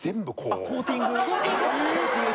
コーティング。